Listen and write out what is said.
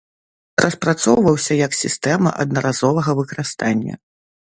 Распрацоўваўся як сістэма аднаразовага выкарыстання.